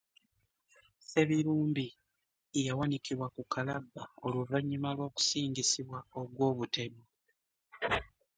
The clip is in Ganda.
Ssebirumbi yawanikibwa ku kalabba oluvannyuma lw'okusingisibwa ogw'obutemu.